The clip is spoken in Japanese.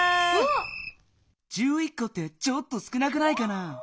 こってちょっと少なくないかな？